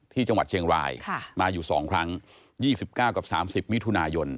ที่จังหวัดเชียงรายมาอยู่๒ครั้ง๒๙กับ๓๐มิถุนายน